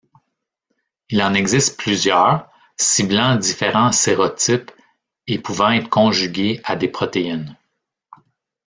Il en existe plusieurs, ciblant différents sérotypes et pouvant être conjugués à des protéines.